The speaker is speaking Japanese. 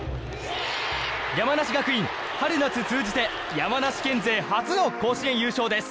山梨学院春夏通じて山梨県勢初の甲子園優勝です。